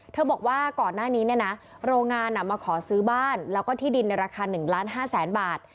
บอกว่าก่อนหน้านี้เนี่ยนะโรงงานมาขอซื้อบ้านแล้วก็ที่ดินในราคา๑ล้าน๕แสนบาท